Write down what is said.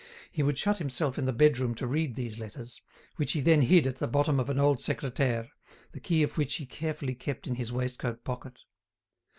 He would shut himself in the bedroom to read these letters, which he then hid at the bottom of an old secretaire, the key of which he carefully kept in his waistcoat pocket.